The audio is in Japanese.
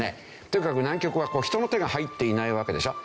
とにかく南極は人の手が入っていないわけでしょ。